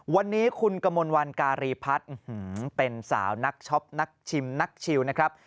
วันนี้คุณกมลวันการีพัฒน์เป็นสาวนักช็อปนักชิมนักชิวนะครับ